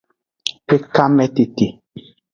Ekanmetete.